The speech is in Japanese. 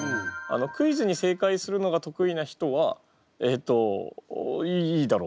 クイズに正解するのが得意な人はえっといいだろう